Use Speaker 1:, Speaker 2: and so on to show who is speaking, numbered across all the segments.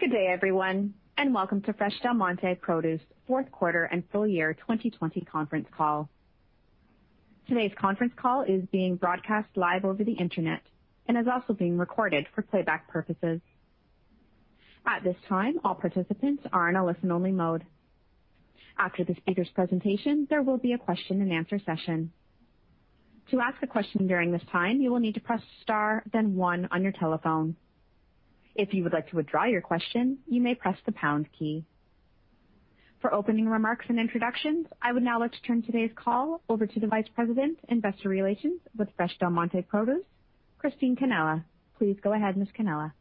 Speaker 1: Good day, everyone, and welcome to Fresh Del Monte Produce fourth quarter and full year 2020 conference call. Today's conference call is being broadcast live over the internet and is also being recorded for playback purposes. At this time, all participants are in a listen-only mode. After the speakers' presentation, there will be a question and answer session. To ask a question during this time, you will need to press star then one on your telephone. If you would like to withdraw your question, you may press the pound key. For opening remarks and introductions, I would now like to turn today's call over to the Vice President, Investor Relations with Fresh Del Monte Produce, Christine Cannella. Please go ahead, Ms. Cannella.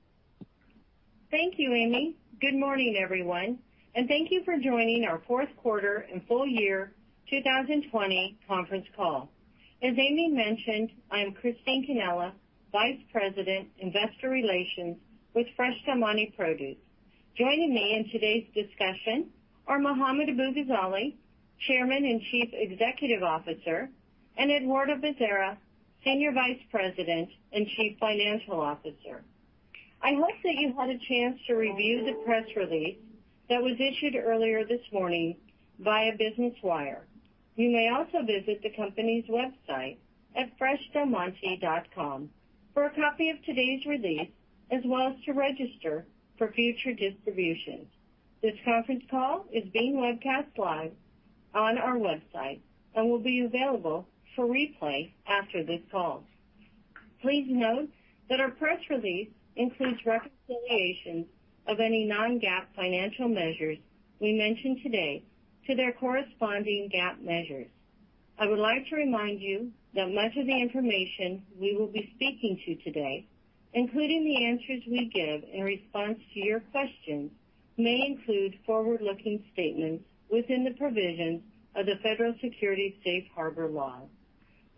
Speaker 2: Thank you, Amy. Good morning, everyone, and thank you for joining our fourth quarter and full year 2020 conference call. As Amy mentioned, I am Christine Cannella, Vice President, Investor Relations with Fresh Del Monte Produce. Joining me in today's discussion are Mohammad Abu-Ghazaleh, Chairman and Chief Executive Officer, and Eduardo Bezerra, Senior Vice President and Chief Financial Officer. I hope that you had a chance to review the press release that was issued earlier this morning via Business Wire. You may also visit the company's website at freshdelmonte.com for a copy of today's release, as well as to register for future distributions. This conference call is being webcast live on our website and will be available for replay after this call. Please note that our press release includes reconciliations of any non-GAAP financial measures we mention today to their corresponding GAAP measures. I would like to remind you that much of the information we will be speaking to today, including the answers we give in response to your questions, may include forward-looking statements within the provisions of the Federal Securities Safe Harbor laws.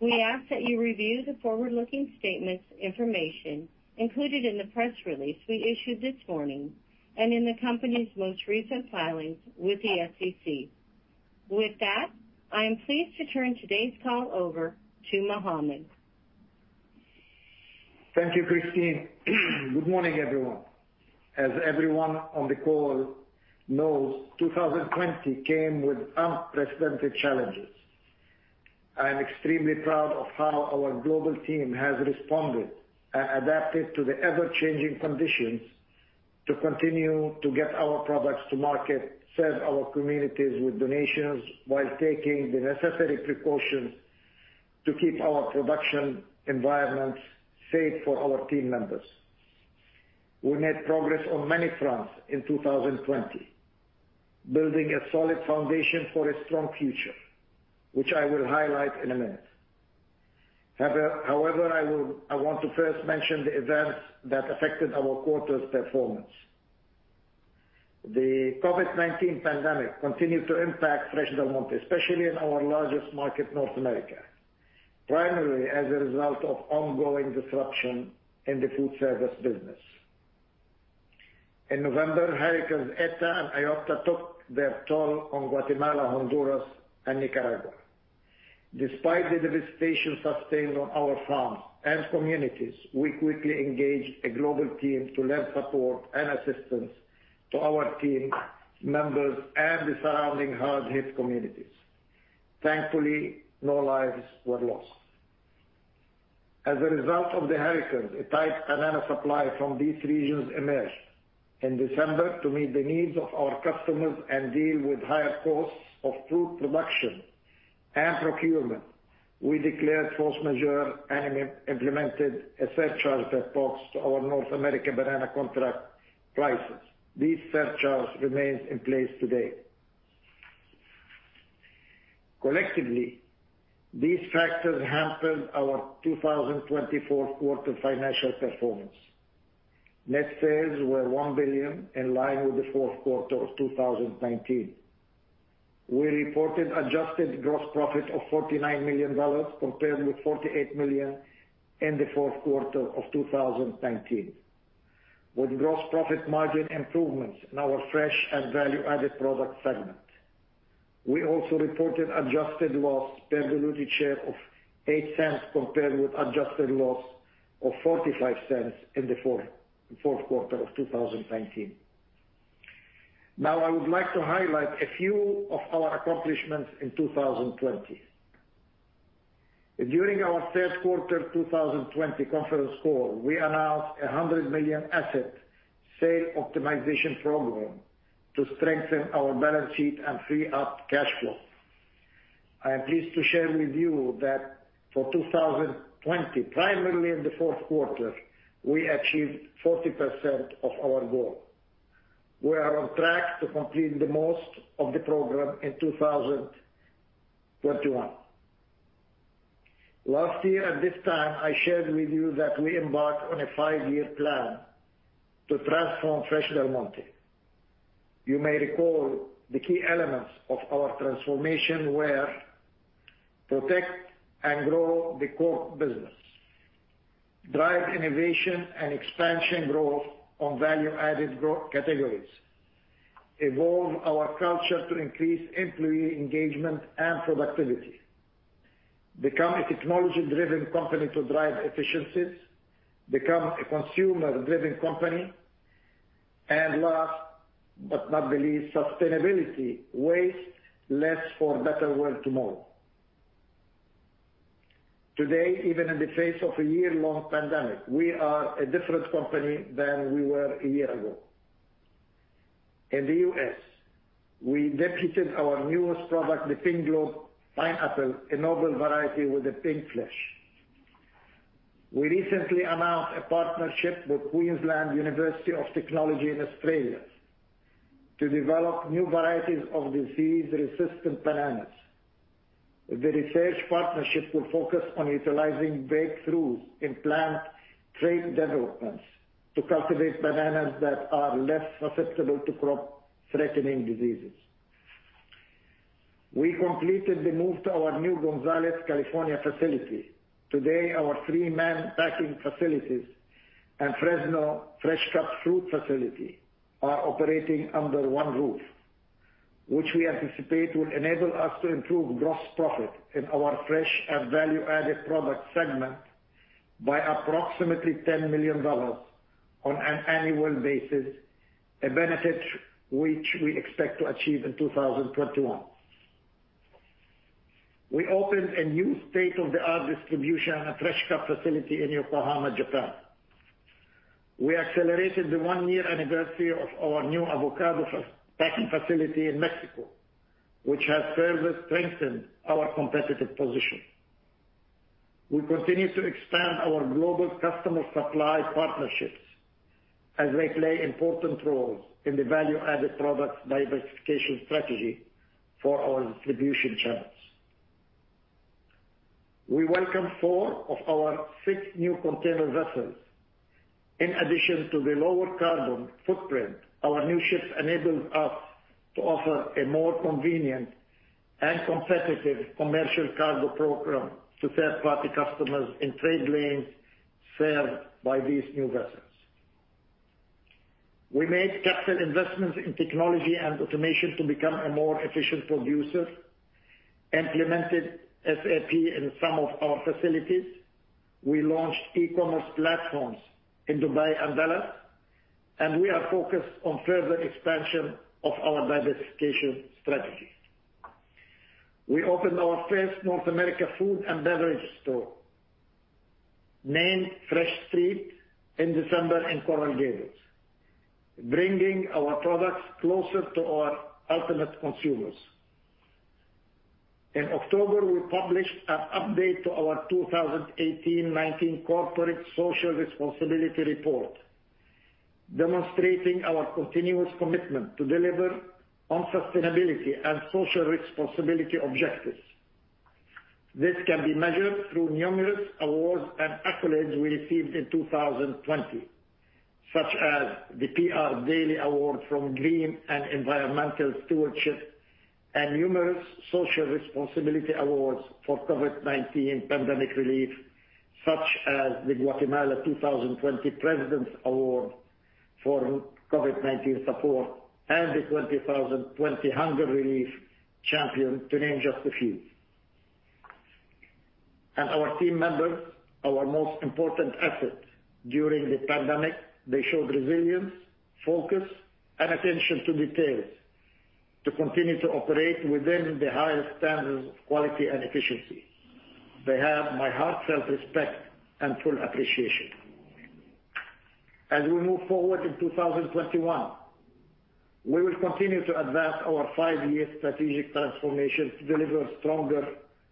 Speaker 2: We ask that you review the forward-looking statements information included in the press release we issued this morning and in the company's most recent filings with the SEC. With that, I am pleased to turn today's call over to Mohammad.
Speaker 3: Thank you, Christine. Good morning, everyone. As everyone on the call knows, 2020 came with unprecedented challenges. I am extremely proud of how our global team has responded and adapted to the ever-changing conditions to continue to get our products to market, serve our communities with donations while taking the necessary precautions to keep our production environments safe for our team members. We made progress on many fronts in 2020, building a solid foundation for a strong future, which I will highlight in a minute. However, I want to first mention the events that affected our quarter's performance. The COVID-19 pandemic continued to impact Fresh Del Monte, especially in our largest market, North America, primarily as a result of ongoing disruption in the food service business. In November, hurricanes Eta and Iota took their toll on Guatemala, Honduras, and Nicaragua. Despite the devastation sustained on our farms and communities, we quickly engaged a global team to lend support and assistance to our team members and the surrounding hard-hit communities. Thankfully, no lives were lost. As a result of the hurricanes, a tight banana supply from these regions emerged. In December, to meet the needs of our customers and deal with higher costs of fruit production and procurement, we declared force majeure and implemented a surcharge that talks to our North American banana contract prices. These surcharges remain in place today. Collectively, these factors hampered our 2020 fourth quarter financial performance. Net sales were $1 billion, in line with the fourth quarter of 2019. We reported adjusted gross profit of $49 million compared with $48 million in the fourth quarter of 2019. With gross profit margin improvements in our fresh and value-added product segment. We also reported adjusted loss per diluted share of $0.08 compared with adjusted loss of $0.45 in the fourth quarter of 2019. I would like to highlight a few of our accomplishments in 2020. During our third quarter 2020 conference call, we announced a $100 million asset sale optimization program to strengthen our balance sheet and free up cash flow. I am pleased to share with you that for 2020, primarily in the fourth quarter, we achieved 40% of our goal. We are on track to complete the most of the program in 2021. Last year at this time, I shared with you that we embarked on a five-year plan to transform Fresh Del Monte. You may recall the key elements of our transformation were protect and grow the core business, drive innovation and expansion growth on value-added growth categories, evolve our culture to increase employee engagement and productivity. Become a technology-driven company to drive efficiencies. Become a consumer-driven company. Last but not least, sustainability. Waste less for a better world tomorrow. Today, even in the face of a year-long pandemic, we are a different company than we were a year ago. In the U.S., we debuted our newest product, the Pinkglow pineapple, a novel variety with a pink flesh. We recently announced a partnership with Queensland University of Technology in Australia to develop new varieties of disease-resistant bananas. The research partnership will focus on utilizing breakthroughs in plant trait developments to cultivate bananas that are less susceptible to crop-threatening diseases. We completed the move to our new Gonzales, California facility. Today, our three main packing facilities and Fresno fresh cut fruit facility are operating under one roof, which we anticipate will enable us to improve gross profit in our fresh and value-added product segment by approximately $10 million on an annual basis, a benefit which we expect to achieve in 2021. We opened a new state-of-the-art distribution and fresh cut facility in Yokohama, Japan. We celebrated the one-year anniversary of our new avocado packing facility in Mexico, which has further strengthened our competitive position. We continue to expand our global customer supply partnerships as they play important roles in the value-added products diversification strategy for our distribution channels. We welcomed four of our six new container vessels. In addition to the lower carbon footprint, our new ships enable us to offer a more convenient and competitive commercial cargo program to third-party customers in trade lanes served by these new vessels. We made capital investments in technology and automation to become a more efficient producer, implemented SAP in some of our facilities. We launched e-commerce platforms in Dubai and Dallas. We are focused on further expansion of our diversification strategy. We opened our first North America food and beverage store, named Fresh Street, in December in Coral Gables, bringing our products closer to our ultimate consumers. In October, we published an update to our 2018, 2019 corporate social responsibility report, demonstrating our continuous commitment to deliver on sustainability and social responsibility objectives. This can be measured through numerous awards and accolades we received in 2020, such as the PR Daily award for Green and Environmental Stewardship, and numerous social responsibility awards for COVID-19 pandemic relief, such as the Guatemala 2020 President's Award for COVID-19 support, and the 2020 Hunger Relief Champion, to name just a few. Our team members, our most important asset. During the pandemic, they showed resilience, focus, and attention to details to continue to operate within the highest standards of quality and efficiency. They have my heartfelt respect and full appreciation. As we move forward in 2021, we will continue to advance our five-year strategic transformation to deliver stronger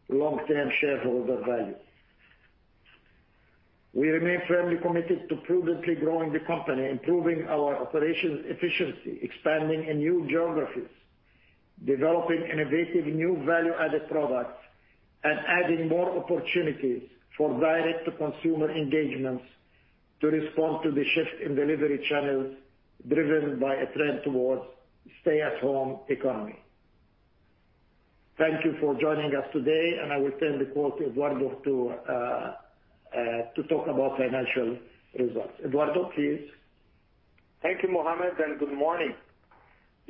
Speaker 3: long-term shareholder value. We remain firmly committed to prudently growing the company, improving our operations efficiency, expanding in new geographies, developing innovative new value-added products, and adding more opportunities for direct-to-consumer engagements to respond to the shift in delivery channels driven by a trend towards stay-at-home economy. Thank you for joining us today, and I will turn the call to Eduardo to talk about financial results. Eduardo, please.
Speaker 4: Thank you, Mohammad, good morning.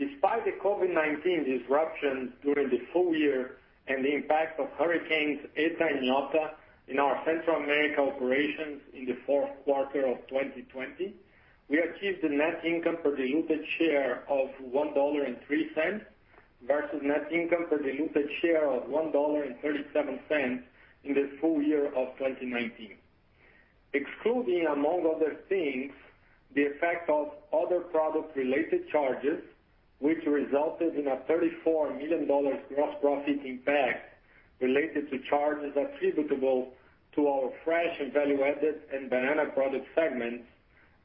Speaker 4: Despite the COVID-19 disruption during the full year and the impact of hurricanes Eta and Iota in our Central America operations in the fourth quarter of 2020, we achieved a net income per diluted share of $1.03 versus net income per diluted share of $1.37 in the full year of 2019. Excluding, among other things, the effect of other product-related charges, which resulted in a $34 million gross profit impact related to charges attributable to our fresh and value-added and banana product segments,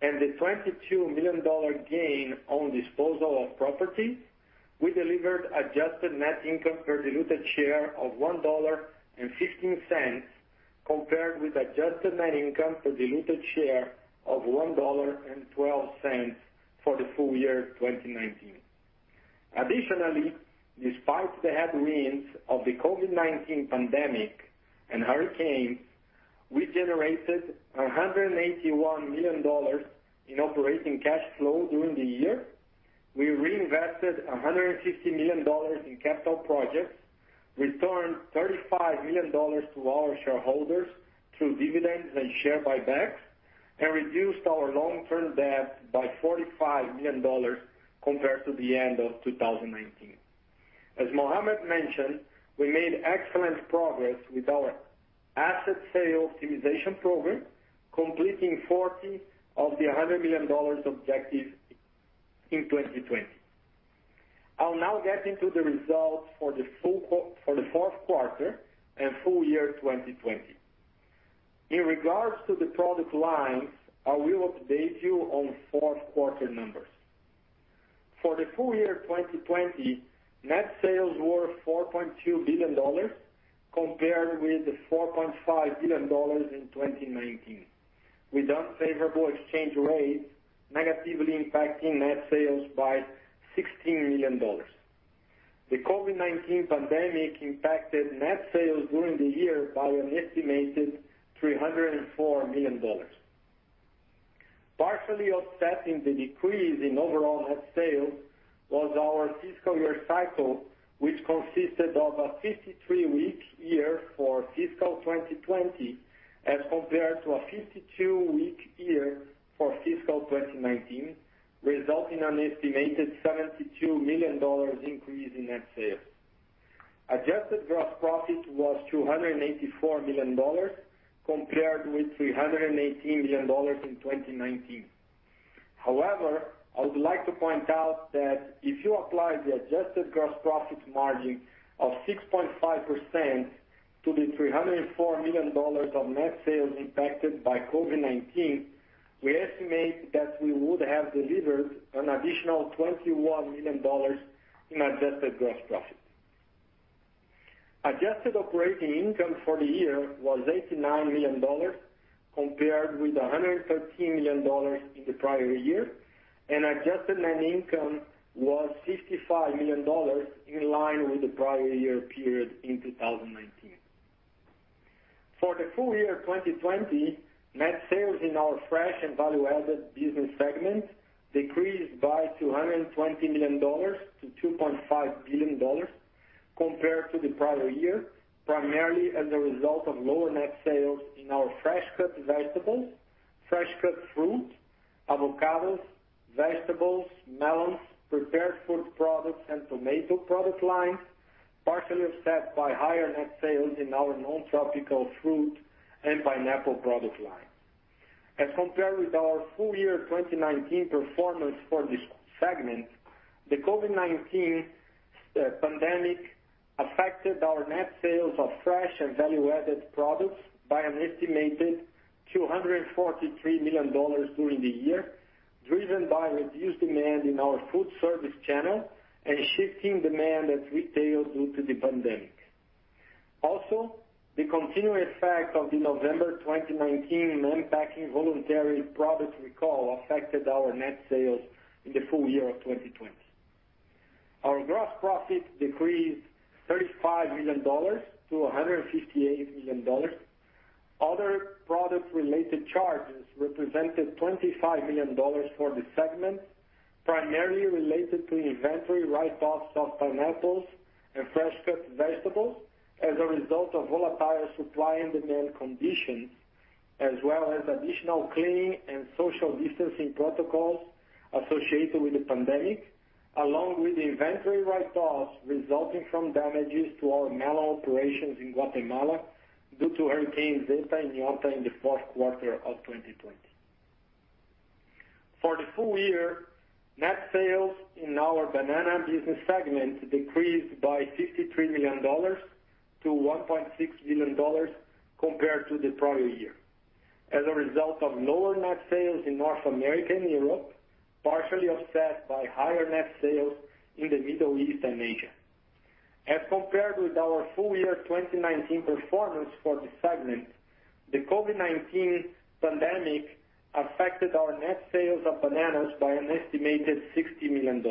Speaker 4: and the $22 million gain on disposal of property, we delivered adjusted net income per diluted share of $1.15 compared with adjusted net income per diluted share of $1.12 for the full year 2019. Additionally, despite the headwinds of the COVID-19 pandemic and hurricanes, we generated $181 million in operating cash flow during the year. We reinvested $150 million in capital projects, returned $35 million to our shareholders through dividends and share buybacks, and reduced our long-term debt by $45 million compared to the end of 2019. As Mohammad mentioned, we made excellent progress with our asset sales optimization program, completing $40 million of the $100 million objective in 2020. I'll now get into the results for the fourth quarter and full year 2020. In regards to the product lines, I will update you on fourth quarter numbers. For the full year 2020, net sales were $4.2 billion, compared with the $4.5 billion in 2019, with unfavorable exchange rates negatively impacting net sales by $16 million. The COVID-19 pandemic impacted net sales during the year by an estimated $304 million. Partially offsetting the decrease in overall net sales was our fiscal year cycle, which consisted of a 53-week year for fiscal 2020 as compared to a 52-week year for fiscal 2019, resulting in an estimated $72 million increase in net sales. Adjusted gross profit was $284 million compared with $318 million in 2019. However, I would like to point out that if you apply the adjusted gross profit margin of 6.5% to the $304 million of net sales impacted by COVID-19, we estimate that we would have delivered an additional $21 million in adjusted gross profit. Adjusted operating income for the year was $89 million compared with $113 million in the prior year, and adjusted net income was $55 million, in line with the prior year period in 2019. For the full year 2020, net sales in our fresh and value-added business segment decreased by $220 million-$2.5 billion compared to the prior year, primarily as a result of lower net sales in our fresh cut vegetables, fresh cut fruit, avocados, vegetables, melons, prepared food products, and tomato product lines, partially offset by higher net sales in our non-tropical fruit and pineapple product line. As compared with our full year 2019 performance for this segment, the COVID-19 pandemic affected our net sales of fresh and value-added products by an estimated $243 million during the year, driven by reduced demand in our food service channel and shifting demand at retail due to the pandemic. Also, the continuing effect of the November 2019 Mann Packing voluntary product recall affected our net sales in the full year of 2020. Our gross profit decreased $35 million-$158 million. Other product-related charges represented $25 million for the segment, primarily related to inventory write-offs of pineapples and fresh cut vegetables as a result of volatile supply and demand conditions, as well as additional cleaning and social distancing protocols associated with the pandemic, along with the inventory write-offs resulting from damages to our melon operations in Guatemala due to hurricanes Eta and Iota in the fourth quarter of 2020. For the full year, net sales in our banana business segment decreased by $53 million-$1.6 billion compared to the prior year as a result of lower net sales in North America and Europe, partially offset by higher net sales in the Middle East and Asia. As compared with our full year 2019 performance for the segment, the COVID-19 pandemic affected our net sales of bananas by an estimated $60 million.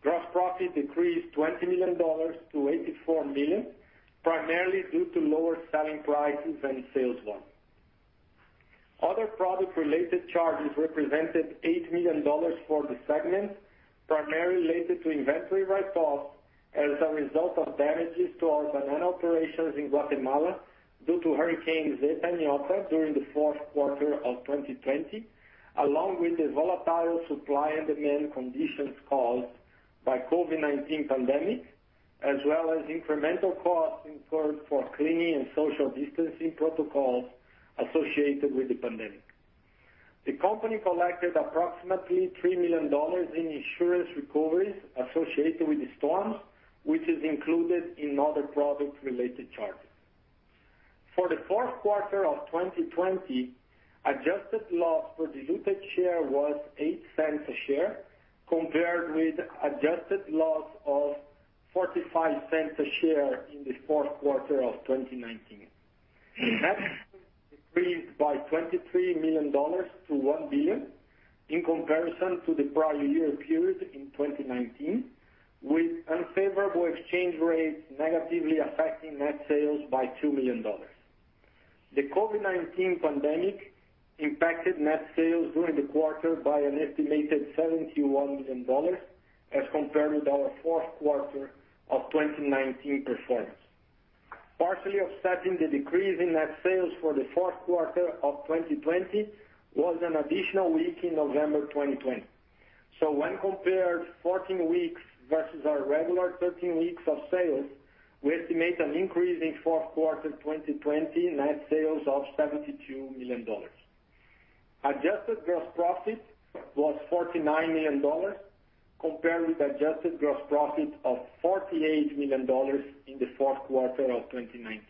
Speaker 4: Gross profit decreased $20 million-$84 million, primarily due to lower selling prices and sales volume. Other product-related charges represented $8 million for the segment, primarily related to inventory write-offs as a result of damages to our banana operations in Guatemala due to hurricanes Eta and Iota during the fourth quarter of 2020, along with the volatile supply and demand conditions caused by COVID-19 pandemic, as well as incremental costs incurred for cleaning and social distancing protocols associated with the pandemic. The company collected approximately $3 million in insurance recoveries associated with the storms, which is included in other product-related charges. For the fourth quarter of 2020, adjusted loss per diluted share was $0.08 a share compared with adjusted loss of $0.45 a share in the fourth quarter of 2019. Net sales decreased by $23 million-$1 billion. In comparison to the prior year period in 2019, with unfavorable exchange rates negatively affecting net sales by $2 million. The COVID-19 pandemic impacted net sales during the quarter by an estimated $71 million, as compared with our fourth quarter of 2019 performance. Partially offsetting the decrease in net sales for the fourth quarter of 2020 was an additional week in November 2020. When compared 14 weeks versus our regular 13 weeks of sales, we estimate an increase in fourth quarter 2020 net sales of $72 million. Adjusted gross profit was $49 million, compared with adjusted gross profit of $48 million in the fourth quarter of 2019.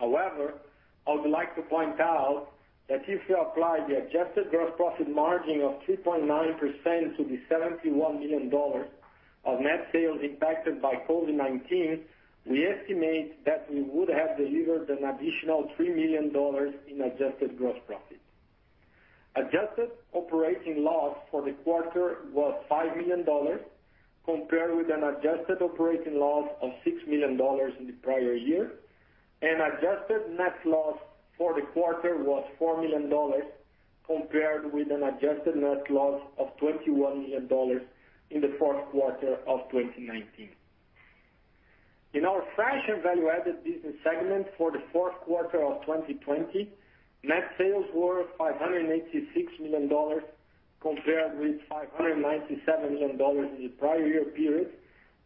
Speaker 4: I would like to point out that if we apply the adjusted gross profit margin of 3.9% to the $71 million of net sales impacted by COVID-19, we estimate that we would have delivered an additional $3 million in adjusted gross profit. Adjusted operating loss for the quarter was $5 million, compared with an adjusted operating loss of $6 million in the prior year. Adjusted net loss for the quarter was $4 million, compared with an adjusted net loss of $21 million in the fourth quarter of 2019. In our Fresh and Value Added business segment for the fourth quarter of 2020, net sales were $586 million, compared with $597 million in the prior year period,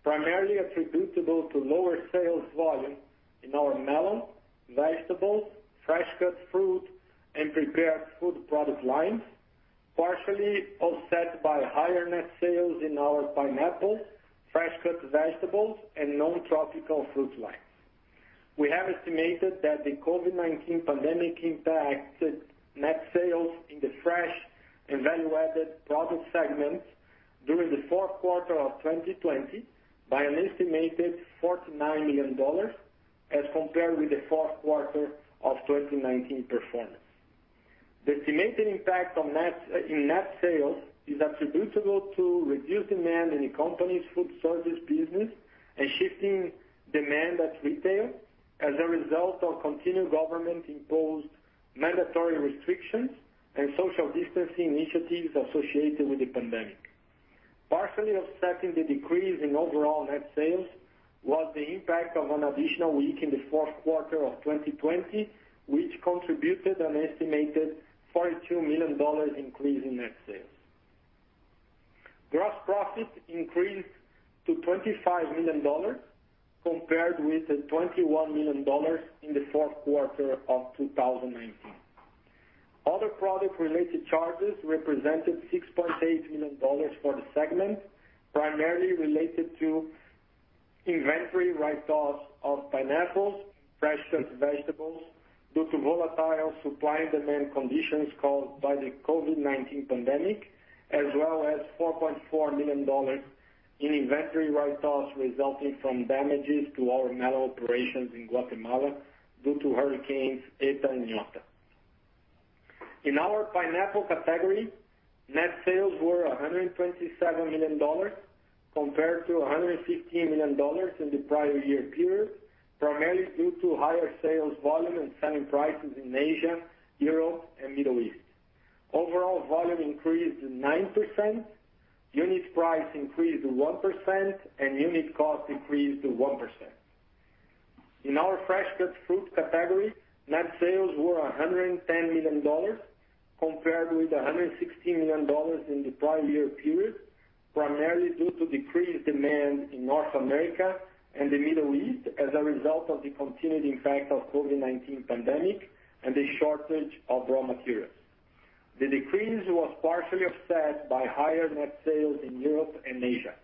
Speaker 4: primarily attributable to lower sales volume in our melons, vegetables, fresh cut fruit, and prepared food product lines, partially offset by higher net sales in our pineapples, fresh cut vegetables, and non-tropical fruit lines. We have estimated that the COVID-19 pandemic impacted net sales in the Fresh and Value Added product segments during the fourth quarter of 2020 by an estimated $49 million as compared with the fourth quarter of 2019 performance. The estimated impact in net sales is attributable to reduced demand in the company's food service business and shifting demand at retail as a result of continued government-imposed mandatory restrictions and social distancing initiatives associated with the pandemic. Partially offsetting the decrease in overall net sales was the impact of an additional week in the fourth quarter of 2020, which contributed an estimated $42 million increase in net sales. Gross profit increased to $25 million compared with the $21 million in the fourth quarter of 2019. Other product-related charges represented $6.8 million for the segment, primarily related to inventory write-offs of pineapples, fresh cut vegetables due to volatile supply and demand conditions caused by the COVID-19 pandemic, as well as $4.4 million in inventory write-offs resulting from damages to our melon operations in Guatemala due to hurricanes Eta and Iota. In our pineapple category, net sales were $127 million compared to $115 million in the prior year period, primarily due to higher sales volume and selling prices in Asia, Europe, and Middle East. Overall volume increased 9%, unit price increased 1%, and unit cost increased 1%. In our fresh cut fruit category, net sales were $110 million compared with $116 million in the prior year period, primarily due to decreased demand in North America and the Middle East as a result of the continued impact of COVID-19 pandemic and the shortage of raw materials. The decrease was partially offset by higher net sales in Europe and Asia.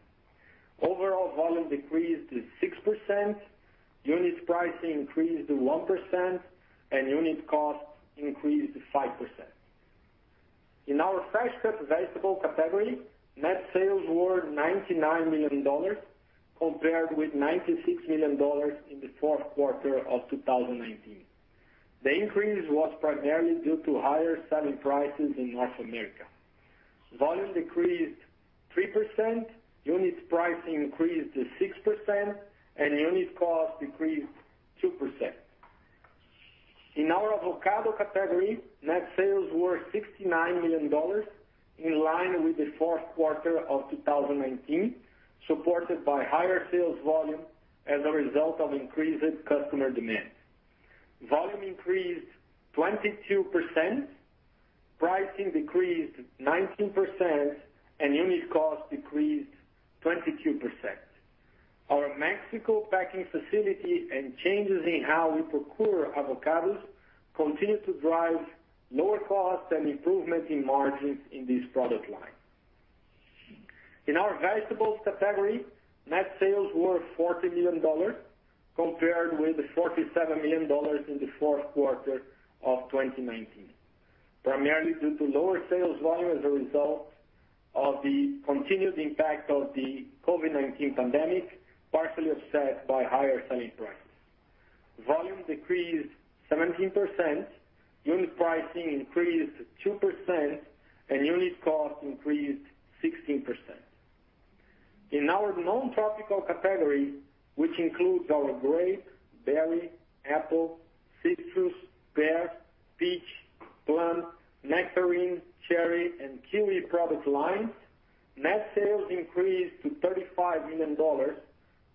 Speaker 4: Overall volume decreased to 6%, unit pricing increased to 1%, and unit cost increased to 5%. In our fresh cut vegetable category, net sales were $99 million compared with $96 million in the fourth quarter of 2019. The increase was primarily due to higher selling prices in North America. Volume decreased 3%, unit pricing increased to 6%, and unit cost decreased 2%. In our avocado category, net sales were $69 million, in line with the fourth quarter of 2019, supported by higher sales volume as a result of increased customer demand. Volume increased 22%, pricing decreased 19%, and unit cost decreased 22%. Our Mexico packing facility and changes in how we procure avocados continue to drive lower costs and improvement in margins in this product line. In our vegetables category, net sales were $40 million compared with the $47 million in the fourth quarter of 2019, primarily due to lower sales volume as a result of the continued impact of the COVID-19 pandemic, partially offset by higher selling prices. Volume decreased 17%, unit pricing increased 2%, and unit cost increased 16%. In our non-tropical category, which includes our grape, berry, apple, citrus, pear, peach, plum, nectarine, cherry, and kiwi product lines, net sales increased to $35 million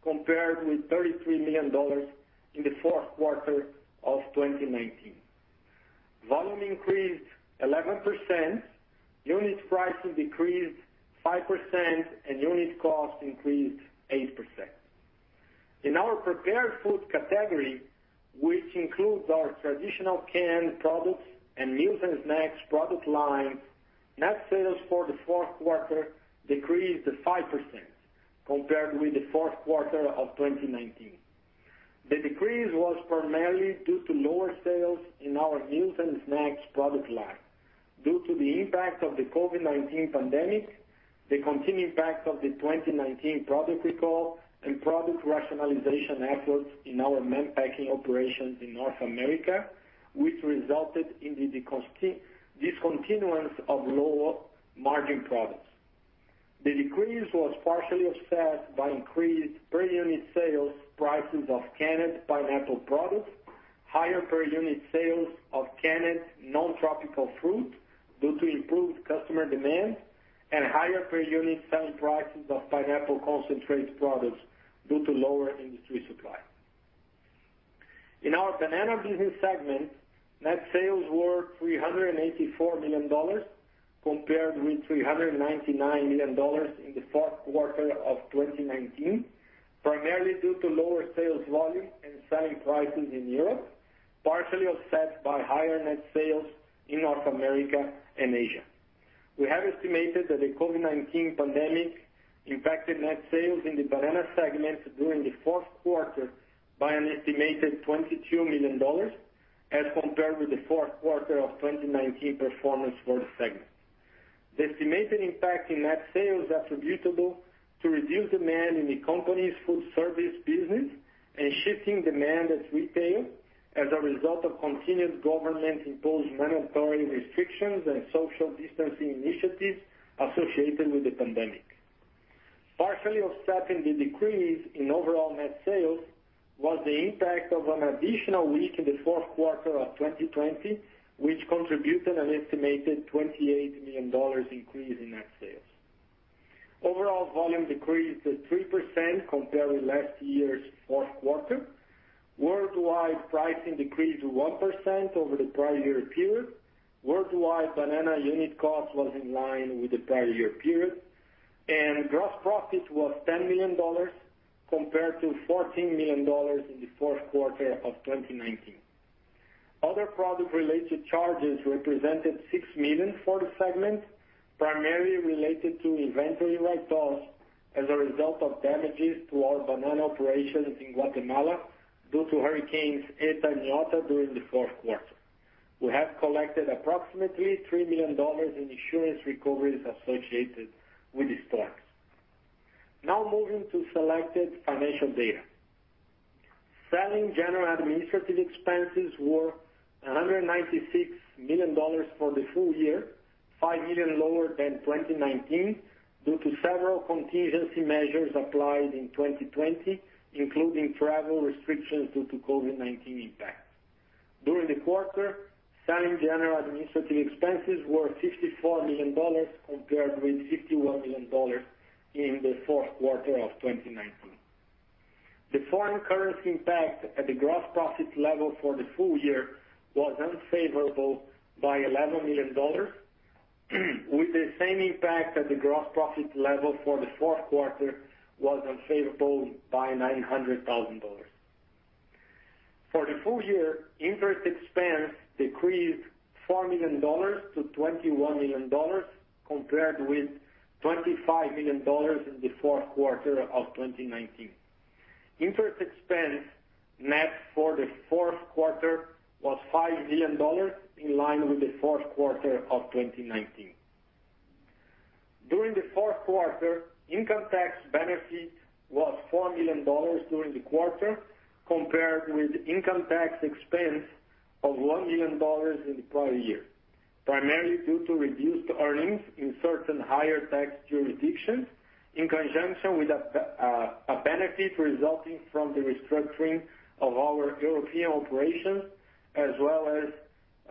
Speaker 4: compared with $33 million in the fourth quarter of 2019. Volume increased 11%, unit pricing decreased 5%, and unit cost increased 8%. In our prepared food category, which includes our traditional canned products and meals and snacks product line, net sales for the fourth quarter decreased 5% compared with the fourth quarter of 2019. The decrease was primarily due to lower sales in our meals and snacks product line due to the impact of the COVID-19 pandemic, the continued impact of the 2019 product recall, and product rationalization efforts in our Mann Packing operations in North America, which resulted in the discontinuance of lower margin products. The decrease was partially offset by increased per-unit sales prices of canned pineapple products, higher per-unit sales of canned non-tropical fruit due to improved customer demand, and higher per-unit sales prices of pineapple concentrate products due to lower industry supply. In our banana business segment, net sales were $384 million compared with $399 million in the fourth quarter of 2019, primarily due to lower sales volume and selling prices in Europe, partially offset by higher net sales in North America and Asia. We have estimated that the COVID-19 pandemic impacted net sales in the banana segment during the fourth quarter by an estimated $22 million as compared with the fourth quarter of 2019 performance for the segment. The estimated impact in net sales attributable to reduced demand in the company's food service business and shifting demand at retail as a result of continued government-imposed mandatory restrictions and social distancing initiatives associated with the pandemic. Partially offsetting the decrease in overall net sales was the impact of an additional week in the fourth quarter of 2020, which contributed an estimated $28 million increase in net sales. Overall volume decreased 3% compared with last year's fourth quarter. Worldwide pricing decreased 1% over the prior year period. Worldwide banana unit cost was in line with the prior year period, and gross profit was $10 million compared to $14 million in the fourth quarter of 2019. Other product-related charges represented $6 million for the segment, primarily related to inventory write-offs as a result of damages to our banana operations in Guatemala due to hurricanes Eta and Iota during the fourth quarter. We have collected approximately $3 million in insurance recoveries associated with the storms. Now moving to selected financial data. Selling, general, and administrative expenses were $196 million for the full year, $5 million lower than 2019 due to several contingency measures applied in 2020, including travel restrictions due to COVID-19 impact. During the quarter, selling, general, and administrative expenses were $54 million compared with $51 million in the fourth quarter of 2019. The foreign currency impact at the gross profit level for the full year was unfavorable by $11 million. With the same impact at the gross profit level for the fourth quarter was unfavorable by $900,000. For the full year, interest expense decreased $4 million-$21 million compared with $25 million in the fourth quarter of 2019. Interest expense net for the fourth quarter was $5 million, in line with the fourth quarter of 2019. During the fourth quarter, income tax benefit was $4 million during the quarter, compared with income tax expense of $1 million in the prior year, primarily due to reduced earnings in certain higher tax jurisdictions in conjunction with a benefit resulting from the restructuring of our European operations, as well as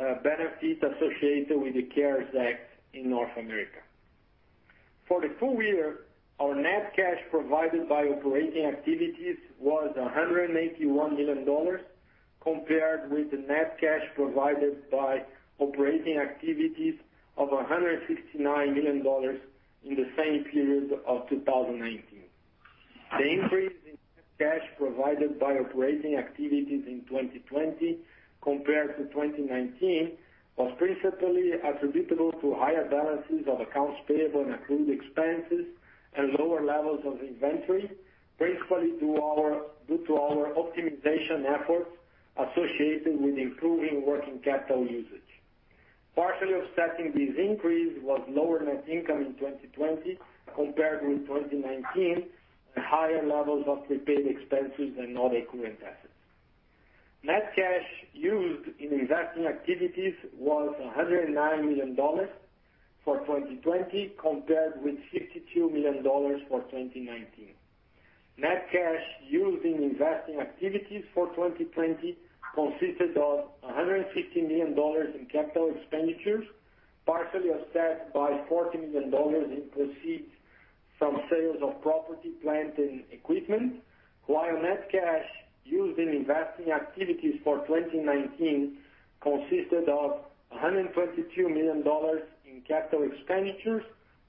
Speaker 4: a benefit associated with the CARES Act in North America. For the full year, our net cash provided by operating activities was $181 million, compared with the net cash provided by operating activities of $169 million in the same period of 2019. The increase in net cash provided by operating activities in 2020 compared to 2019 was principally attributable to higher balances of accounts payable and accrued expenses and lower levels of inventory, principally due to our optimization efforts associated with improving working capital usage. Partially offsetting this increase was lower net income in 2020 compared with 2019, and higher levels of prepaid expenses and non-recurrent assets. Net cash used in investing activities was $109 million for 2020 compared with $62 million for 2019. Net cash used in investing activities for 2020 consisted of $150 million in capital expenditures, partially offset by $40 million in proceeds from sales of property, plant, and equipment. While net cash used in investing activities for 2019 consisted of $122 million in capital expenditures,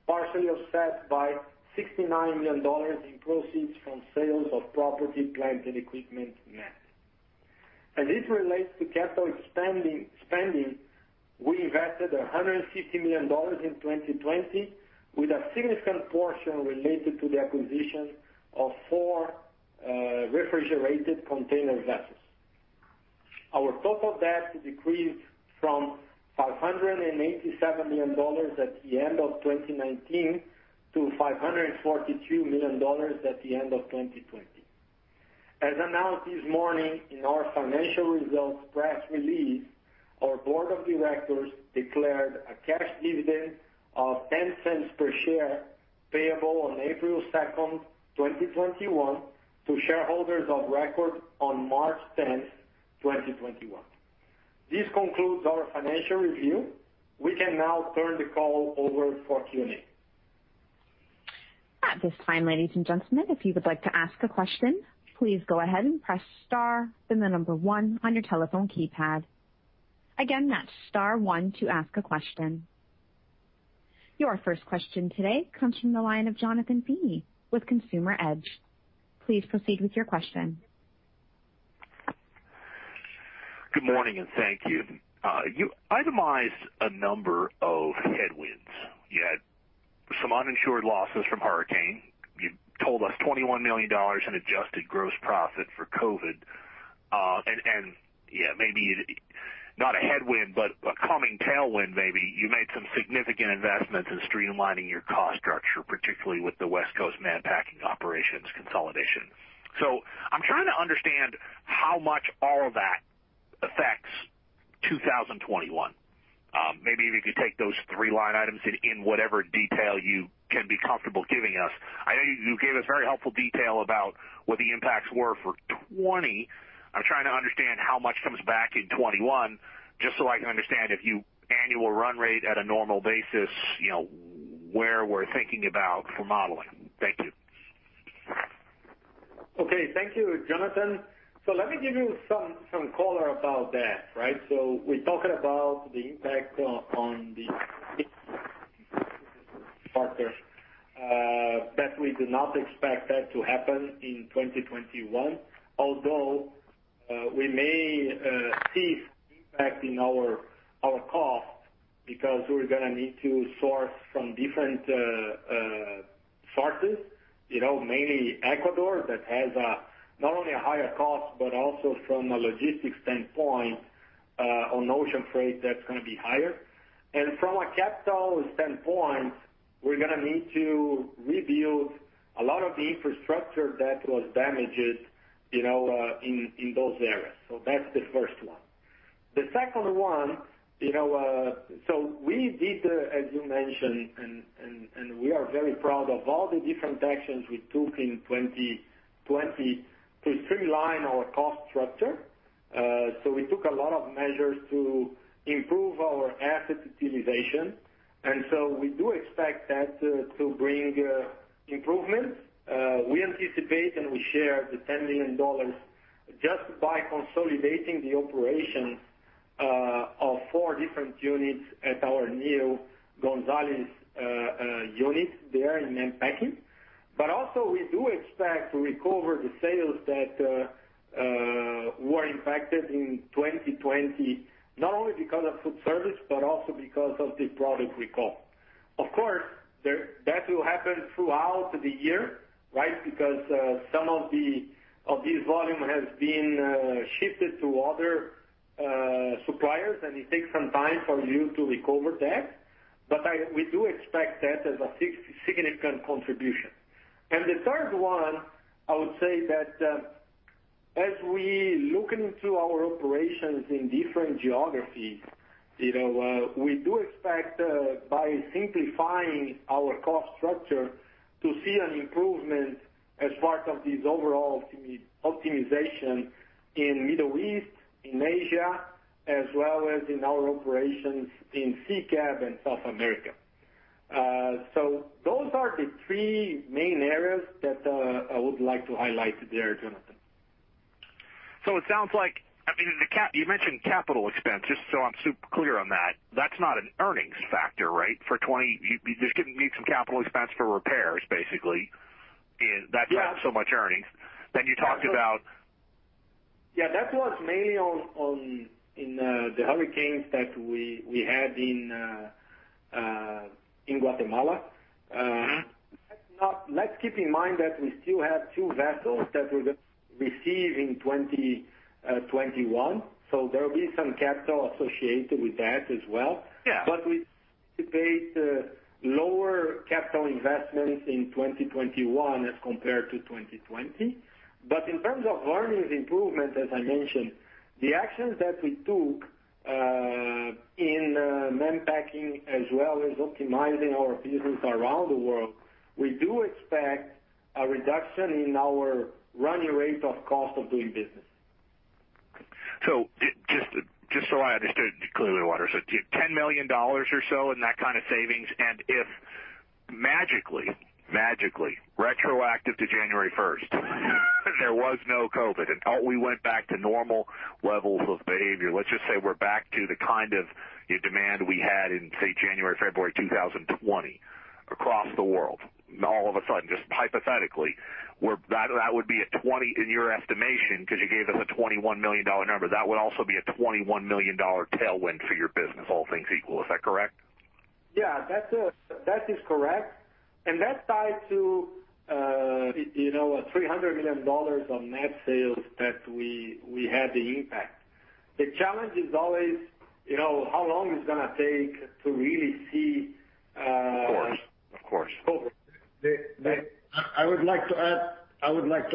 Speaker 4: partially offset by $69 million in proceeds from sales of property, plant, and equipment net. As it relates to capital spending, we invested $150 million in 2020, with a significant portion related to the acquisition of four refrigerated container vessels. Our total debt decreased from $587 million at the end of 2019 to $542 million at the end of 2020. As announced this morning in our financial results press release, our board of directors declared a cash dividend of $0.10 per share, payable on April 2nd, 2021, to shareholders of record on March 10th, 2021. This concludes our financial review. We can now turn the call over for Q&A.
Speaker 1: At this time, ladies and gentlemen, if you would like to ask a question, please go ahead and press star, then the number one on your telephone keypad. Again, that's star one to ask a question. Your first question today comes from the line of Jonathan Feeney with Consumer Edge. Please proceed with your question.
Speaker 5: Good morning, and thank you. You itemized a number of headwinds. You had some uninsured losses from hurricane. You told us $21 million in adjusted gross profit for COVID-19. Maybe not a headwind, but a calming tailwind maybe. You made some significant investments in streamlining your cost structure, particularly with the West Coast Mann Packing operations consolidation. I'm trying to understand how much all of that affects 2021. Maybe if you could take those three line items in whatever detail you can be comfortable giving us. I know you gave us very helpful detail about what the impacts were for 2020. I'm trying to understand how much comes back in 2021, just so I can understand if you annual run rate at a normal basis, where we're thinking about for modeling. Thank you.
Speaker 4: Okay. Thank you, Jonathan. Let me give you some color about that, right? We talked about the impact on the factors, that we do not expect that to happen in 2021. Although, we may see impact in our cost because we're going to need to source from different sources. Mainly Ecuador, that has not only a higher cost, but also from a logistics standpoint on ocean freight, that's going to be higher. From a capital standpoint, we're going to need to rebuild a lot of the infrastructure that was damaged in those areas. That's the first one. The second one, we did, as you mentioned, and we are very proud of all the different actions we took in 2020 to streamline our cost structure. We took a lot of measures to improve our asset utilization. We do expect that to bring improvements. We anticipate, and we share the $10 million just by consolidating the operation of 4 different units at our new Gonzales unit there in Gonzales. Also, we do expect to recover the sales that were impacted in 2020, not only because of food service, but also because of the product recall. Of course, that will happen throughout the year, right? Because some of this volume has been shifted to other suppliers, and it takes some time for you to recover that. We do expect that as a significant contribution. The third one, I would say that as we look into our operations in different geographies, we do expect by simplifying our cost structure to see an improvement as part of this overall optimization in Middle East, in Asia, as well as in our operations in CECAB and South America. Those are the three main areas that I would like to highlight there, Jonathan.
Speaker 5: You mentioned capital expense, just so I'm super clear on that. That's not an earnings factor, right? For 2020, you just need some capital expense for repairs, basically.
Speaker 4: Yeah.
Speaker 5: That's not so much earnings.
Speaker 4: Yeah, that was mainly in the hurricanes that we had in Guatemala. Let's keep in mind that we still have two vessels that we're going to receive in 2021, so there'll be some capital associated with that as well.
Speaker 5: Yeah.
Speaker 4: We anticipate lower capital investments in 2021 as compared to 2020. In terms of earnings improvement, as I mentioned, the actions that we took in Mann Packing as well as optimizing our business around the world, we do expect a reduction in our running rate of cost of doing business.
Speaker 5: Just so I understood clearly, What I understood, $10 million or so in that kind of savings. If magically retroactive to January 1st, there was no COVID, and all we went back to normal levels of behavior. Let's just say we're back to the kind of demand we had in, say, January, February 2020 across the world, all of a sudden, just hypothetically, that would be $20 in your estimation, because you gave us a $21 million number. That would also be a $21 million tailwind for your business, all things equal. Is that correct?
Speaker 4: Yeah, that is correct. That ties to $300 million on net sales that we had the impact. The challenge is always how long it's going to take to really see.
Speaker 5: Of course.
Speaker 3: I would like to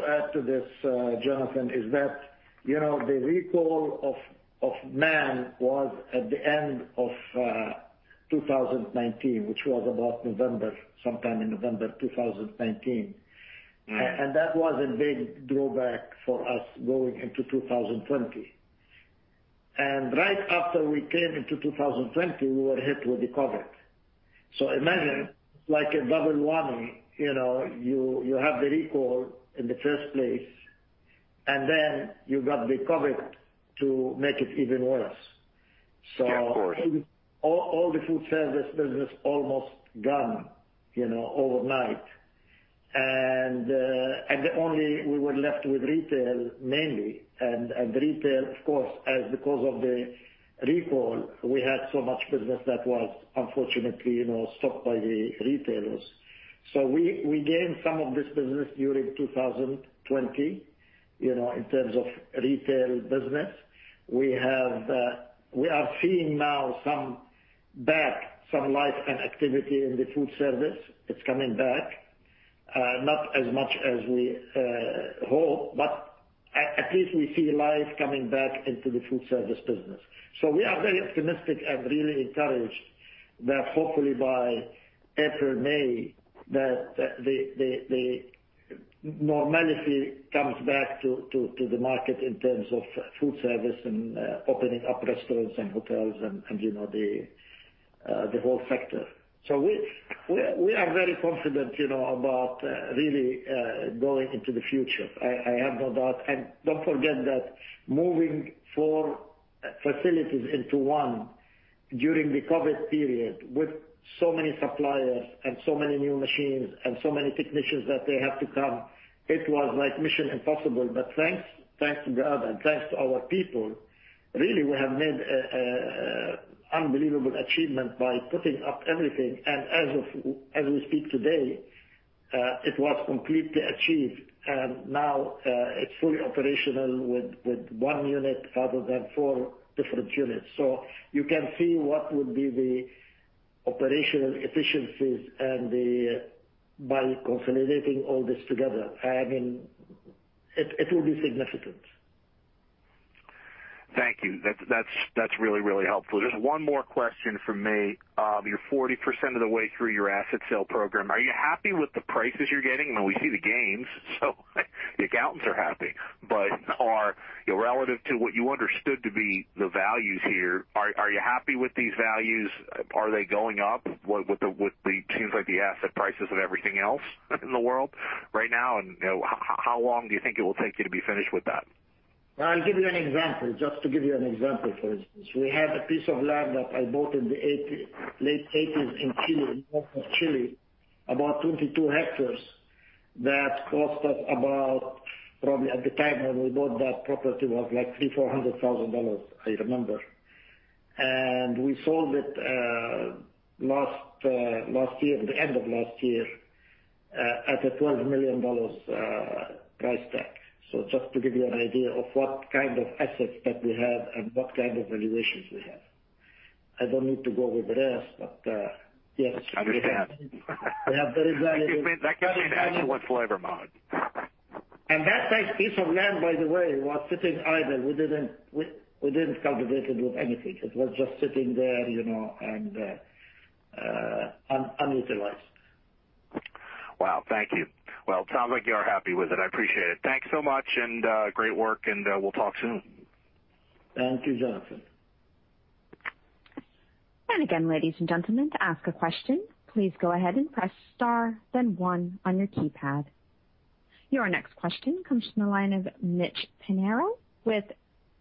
Speaker 3: add to this, Jonathan, is that, the recall of Mann was at the end of 2019, which was about November, sometime in November 2019.That was a big drawback for us going into 2020. Right after we came into 2020, we were hit with the COVID. Imagine like a double whammy, you have the recall in the first place, and then you got the COVID to make it even worse.
Speaker 5: Yeah, of course.
Speaker 3: All the food service business almost gone overnight. Only we were left with retail mainly. Retail, of course, as because of the recall, we had so much business that was unfortunately stocked by the retailers. We gained some of this business during 2020, in terms of retail business. We are seeing now some back, some life and activity in the food service. It's coming back. Not as much as we hope, but at least we see life coming back into the food service business. We are very optimistic and really encouraged that hopefully by April, May, that the normalcy comes back to the market in terms of food service and opening up restaurants and hotels and the whole sector. We are very confident about really going into the future. I have no doubt. Don't forget that moving four facilities into one during the COVID-19 period with so many suppliers and so many new machines and so many technicians that they have to come, it was like mission impossible. Thanks to God and thanks to our people, really, we have made unbelievable achievement by putting up everything. As we speak today, it was completely achieved. Now, it's fully operational with one unit rather than four different units. You can see what would be the operational efficiencies by consolidating all this together. It will be significant.
Speaker 5: Thank you. That's really helpful. Just one more question from me. You're 40% of the way through your asset sale program. Are you happy with the prices you're getting? I mean, we see the gains, so the accountants are happy. Relative to what you understood to be the values here, are you happy with these values? Are they going up with seems like the asset prices of everything else in the world right now, and how long do you think it will take you to be finished with that?
Speaker 3: I'll give you an example. Just to give you an example, for instance. We had a piece of land that I bought in the late 1980s in Chile, north of Chile, about 22 hectares. That cost us about, probably at the time when we bought that property, was like $300,000, $400,000, I remember. We sold it last year, at the end of last year, at a $12 million price tag. Just to give you an idea of what kind of assets that we have and what kind of valuations we have. I don't need to go over the rest, but yes.
Speaker 5: I understand.
Speaker 3: We have very valuable-
Speaker 5: That puts me in "ask once, whatever" mode.
Speaker 3: That nice piece of land, by the way, was sitting idle. We didn't cultivate it with anything. It was just sitting there unutilized.
Speaker 5: Wow. Thank you. Sounds like you are happy with it. I appreciate it. Thanks so much, and great work, and we'll talk soon.
Speaker 3: Thank you, Jonathan.
Speaker 1: Again, ladies and gentlemen, to ask a question, please go ahead and press star then one on your keypad. Your next question comes from the line of Mitchell Pinheiro with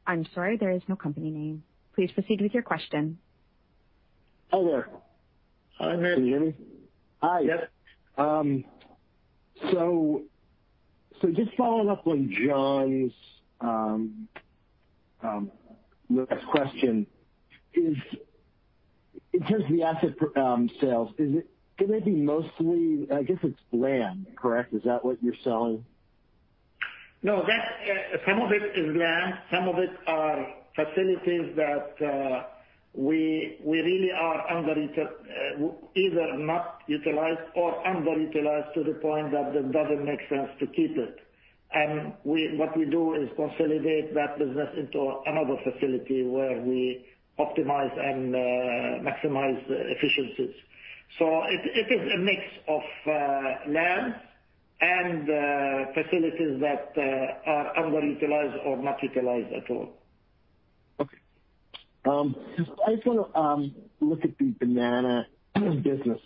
Speaker 1: I'm sorry, there is no company name. Please proceed with your question.
Speaker 6: Hello.
Speaker 3: Hi, Mitch.
Speaker 6: Can you hear me?
Speaker 4: Hi.
Speaker 3: Yes.
Speaker 6: Yes. Just following up on John's last question. In terms of the asset sales, is it going to be mostly, I guess it's land, correct? Is that what you're selling?
Speaker 3: No. Some of it is land, some of it are facilities that really are either not utilized or underutilized to the point that it doesn't make sense to keep it. What we do is consolidate that business into another facility where we optimize and maximize efficiencies. It is a mix of lands and facilities that are underutilized or not utilized at all.
Speaker 6: Okay. I just want to look at the banana business.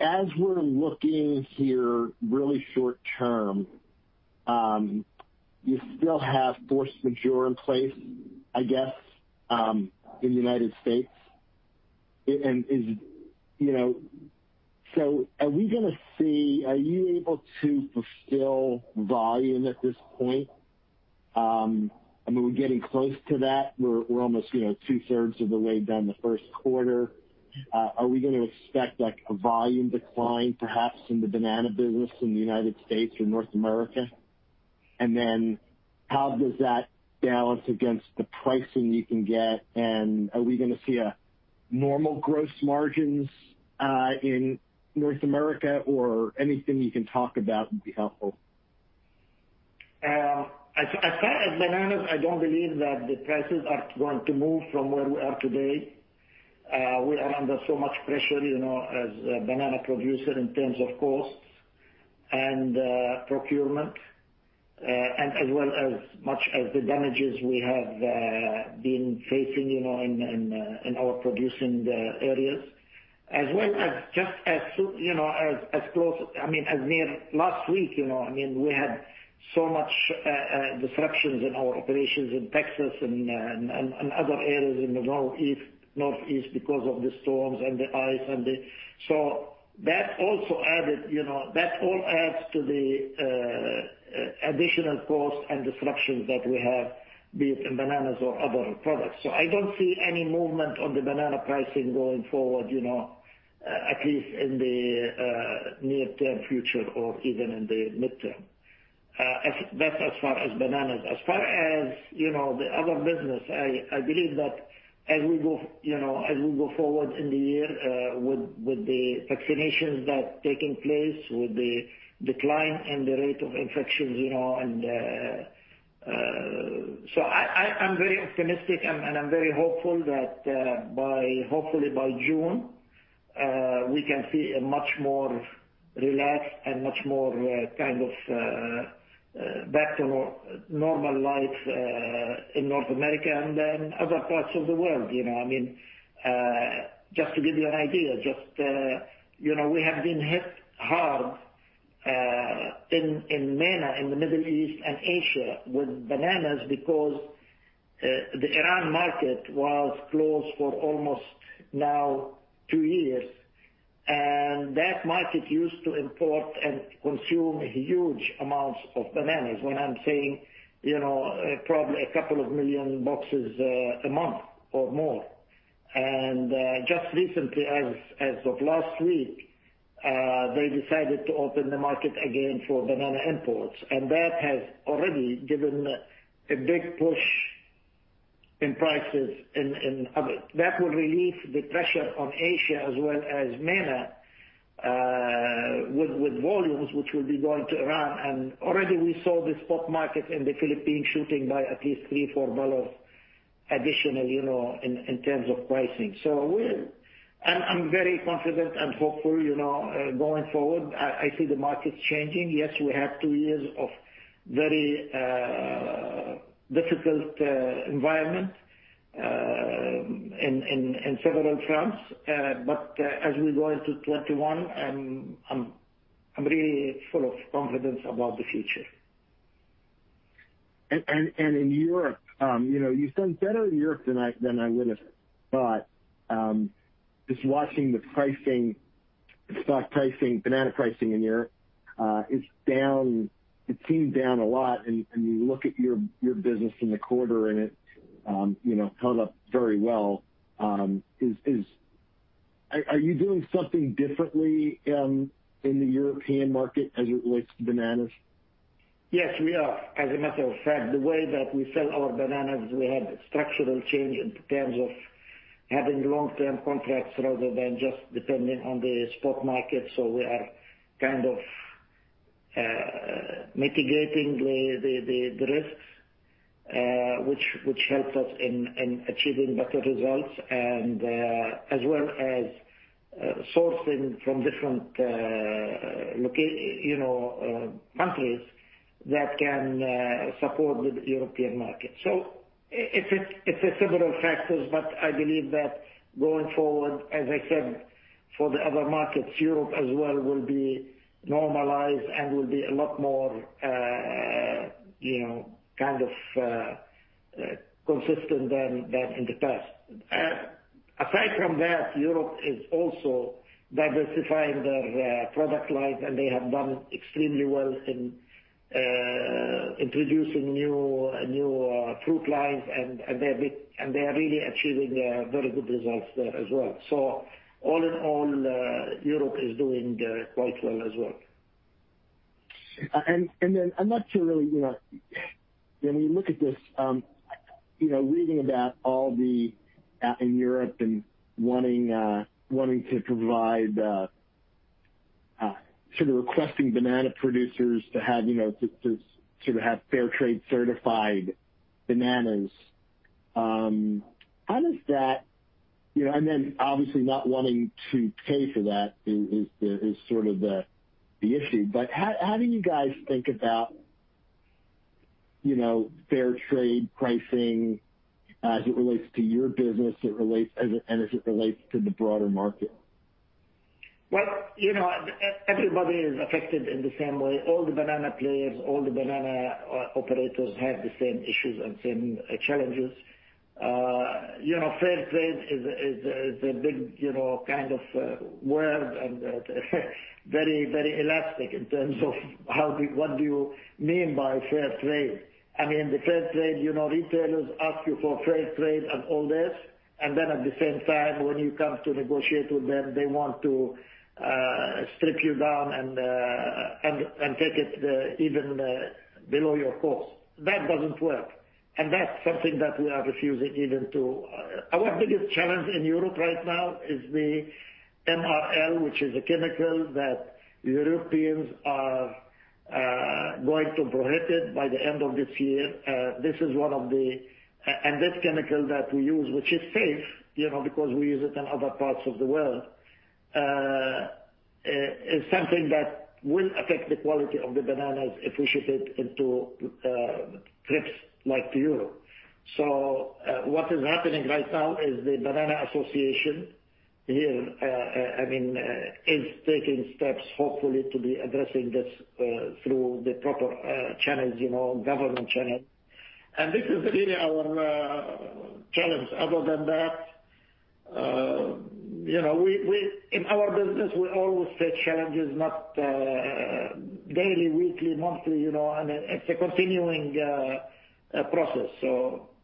Speaker 6: As we're looking here really short term, you still have force majeure in place, I guess, in the U.S. Are we going to see, are you able to fulfill volume at this point? Are we getting close to that? We're almost two-thirds of the way down the first quarter. Are we going to expect a volume decline, perhaps, in the banana business in the U.S., or North America? How does that balance against the pricing you can get, and are we going to see normal gross margins in North America or anything you can talk about would be helpful.
Speaker 3: As far as bananas, I don't believe that the prices are going to move from where we are today. We are under so much pressure as a banana producer in terms of costs and procurement, as well as the damages we have been facing in our producing areas. As near last week, we had so much disruptions in our operations in Texas and other areas in the Northeast because of the storms and the ice. That all adds to the additional costs and disruptions that we have, be it in bananas or other products. I don't see any movement on the banana pricing going forward at least in the near-term future or even in the midterm. That's as far as bananas. As far as the other business, I believe that as we go forward in the year with the vaccinations that are taking place, with the decline in the rate of infections, I'm very optimistic and I'm very hopeful that hopefully by June, we can see a much more relaxed and much more back to normal life in North America and in other parts of the world. Just to give you an idea, we have been hit hard in MENA, in the Middle East and Asia with bananas because the Iran market was closed for almost now 2 years. That market used to import and consume huge amounts of bananas. When I'm saying, probably a couple of million boxes a month or more. Just recently as of last week, they decided to open the market again for banana imports. That has already given a big push in prices. That will relieve the pressure on Asia as well as MENA with volumes which will be going to Iran. Already we saw the spot market in the Philippines shooting by at least $3, $4 additional in terms of pricing. I'm very confident and hopeful going forward. I see the markets changing. Yes, we have two years of very difficult environment in several fronts. As we go into 2021, I'm really full of confidence about the future.
Speaker 6: In Europe, you've done better in Europe than I would have thought. Just watching the pricing, the stock pricing, banana pricing in Europe, it seemed down a lot. You look at your business in the quarter, and it held up very well. Are you doing something differently in the European market as it relates to bananas?
Speaker 3: Yes, we are. As a matter of fact, the way that we sell our bananas, we had structural change in terms of having long-term contracts rather than just depending on the spot market. We are kind of mitigating the risks, which helps us in achieving better results, as well as sourcing from different countries that can support the European market. It's several factors, but I believe that going forward, as I said, for the other markets, Europe as well will be normalized and will be a lot more consistent than in the past. Aside from that, Europe is also diversifying their product lines, and they have done extremely well in introducing new fruit lines, and they are really achieving very good results there as well. All in all, Europe is doing quite well as well.
Speaker 6: I'm not sure really, when you look at this, reading about all the, in Europe and wanting to provide, sort of requesting banana producers to have fair trade certified bananas. Obviously not wanting to pay for that is the issue. How do you guys think about fair trade pricing as it relates to your business, and as it relates to the broader market?
Speaker 3: Well, everybody is affected in the same way. All the banana players, all the banana operators have the same issues and same challenges. Fair trade is a big kind of word and very elastic in terms of what do you mean by fair trade. The fair trade retailers ask you for fair trade and all this, and then at the same time, when you come to negotiate with them, they want to strip you down and take it even below your cost. That doesn't work. That's something that we are refusing. Our biggest challenge in Europe right now is the MRL, which is a chemical that Europeans are going to prohibit by the end of this year. This chemical that we use, which is safe, because we use it in other parts of the world, is something that will affect the quality of the bananas if we ship it into trips like to Europe. What is happening right now is the Banana Association here is taking steps, hopefully, to be addressing this through the proper channels, government channels. This is really our challenge. Other than that, in our business, we always face challenges, not daily, weekly, monthly, and it's a continuing process.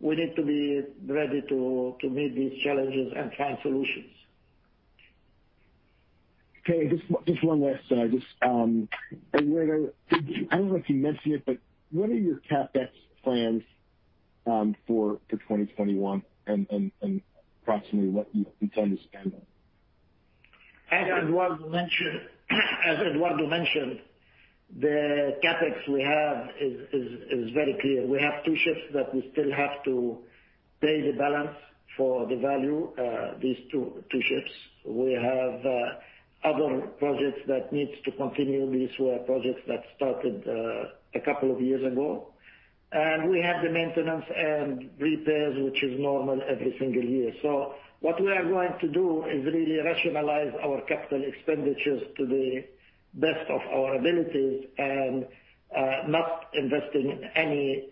Speaker 3: We need to be ready to meet these challenges and find solutions.
Speaker 6: Okay, just one last, I don't know if you mentioned it, but what are your CapEx plans for 2021, and approximately what you intend to spend on?
Speaker 3: As Eduardo mentioned, the CapEx we have is very clear. We have two ships that we still have to pay the balance for the value, these two ships. We have other projects that needs to continue. These were projects that started a couple of years ago. We have the maintenance and repairs, which is normal every single year. What we are going to do is really rationalize our capital expenditures to the best of our abilities and not invest in any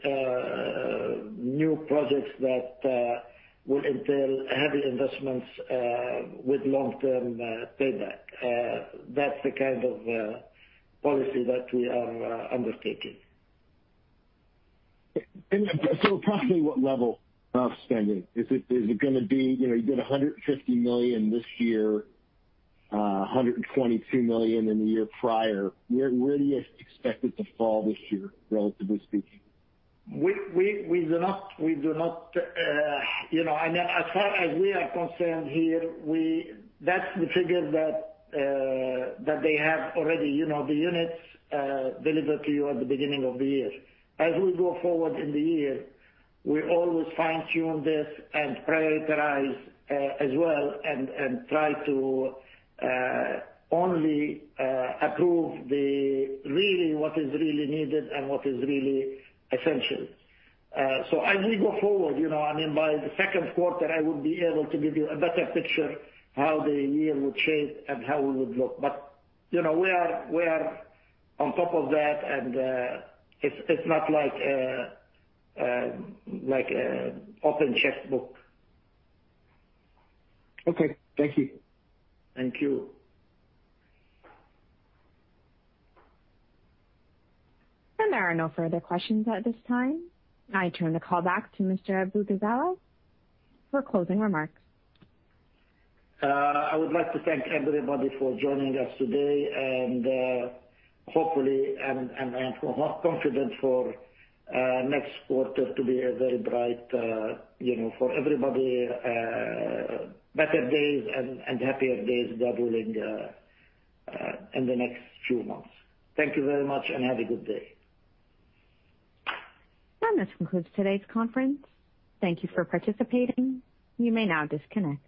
Speaker 3: new projects that will entail heavy investments with long-term payback. That's the kind of policy that we are undertaking.
Speaker 6: Approximately what level of spending? You did $150 million this year, $122 million in the year prior. Where do you expect it to fall this year, relatively speaking?
Speaker 3: As far as we are concerned here, that's the figure that they have already, the units delivered to you at the beginning of the year. As we go forward in the year, we always fine-tune this and prioritize as well and try to only approve what is really needed and what is really essential. As we go forward, by the second quarter, I would be able to give you a better picture how the year would shape and how we would look. We are on top of that, and it's not like an open checkbook.
Speaker 6: Okay. Thank you.
Speaker 3: Thank you.
Speaker 1: There are no further questions at this time. I turn the call back to Mr. Abdulla Zala for closing remarks.
Speaker 3: I would like to thank everybody for joining us today, and hopefully, I am confident for next quarter to be very bright for everybody. Better days and happier days awaiting in the next few months. Thank you very much and have a good day.
Speaker 1: This concludes today's conference. Thank you for participating. You may now disconnect.